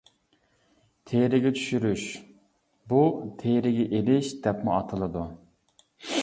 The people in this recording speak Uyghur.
تېرىگە چۈشۈرۈش: بۇ تېرىگە ئېلىش دەپمۇ ئاتىلىدۇ.